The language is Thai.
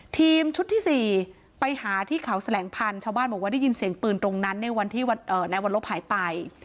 ทีมชุดที่๔ไปหาที่เขาแสลงพันธุ์ชาวบ้านบอกว่าได้ยินเสียงปืนตรงนั้นในวันที่นายวรรลบหายไป